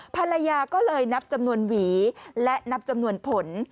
ภรรยาก็เลยนับจำนวนหวีและนับจำนวนผล